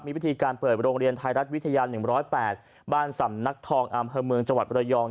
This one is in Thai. มีวิธีการเปิดโรงเรียนไทยรัฐวิทยา๑๐๘บ้านสำนักทองอำเภอเมืองจังหวัดบรยอง